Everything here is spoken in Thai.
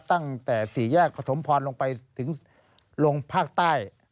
ตั้งแต่สี่แยกประถมพรลงไปถึงลงภาคใต้